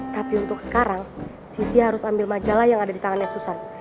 tapi untuk sekarang sisi harus ambil majalah yang ada di tangannya susan